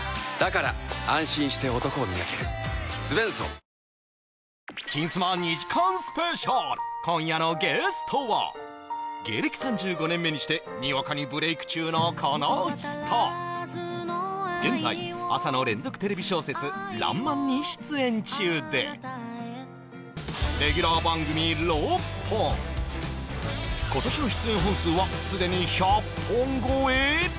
最高の渇きにＤＲＹ今夜のゲストは芸歴３５年目にしてにわかにブレイク中のこの人現在朝の連続テレビ小説「らんまん」に出演中で今年の出演本数はすでに１００本超え！？